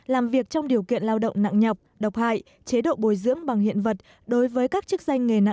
làm việc trong điều kiện lao động nặng nhọc độc hại chế độ bồi dưỡng bằng hiện vật đối với các chức danh nghề nặng